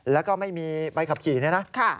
แล้วก็ไม่มีใบขับขี่นะ